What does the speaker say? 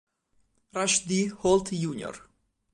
Rush D. Holt, Jr.